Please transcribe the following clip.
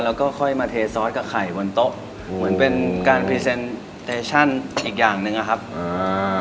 แล้วก็ค่อยมาเทซอสกับไข่วนโต๊ะเหมือนเป็นการอีกอย่างหนึ่งอะครับอ่า